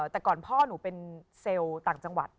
แต่ก่อนพ่อหนูเป็นเซลล์ต่างจังหวัด